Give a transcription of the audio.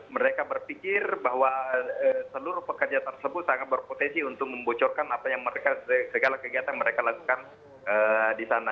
mereka berpikir bahwa seluruh pekerja tersebut sangat berpotensi untuk membocorkan apa yang mereka segala kegiatan mereka lakukan di sana